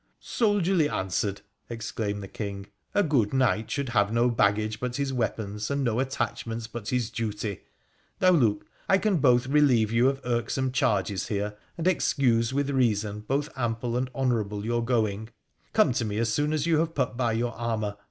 ' Soldierly answered,' exclaimed the King :' a good knight should have no baggage but his weapons, and no attachments but his duty. Now look ! I can both relieve you of irksome charges here and excuse with reason both ample and honour able your going. Come to me as soon as you have put by your armour.